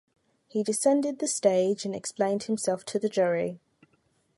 He descended the stage and explained himself to the jury.